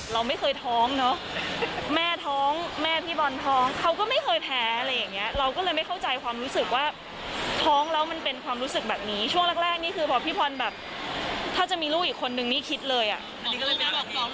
เราไม่เคยท้องเนอะแม่ท้องแม่พี่บอลท้องเขาก็ไม่เคยแพ้อะไรอย่างเงี้ยเราก็เลยไม่เข้าใจความรู้สึกว่าท้องแล้วมันเป็นความรู้สึกแบบนี้ช่วงแรกนี่คือพอพี่บอลแบบถ้าจะมีลูกอีกคนนึงนี่คิดเลยอ่ะ